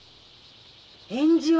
返事は？